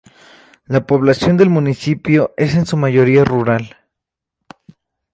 La población del municipio es en su mayoría rural.